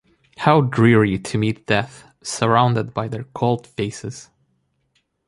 How dreary to meet death, surrounded by their cold faces!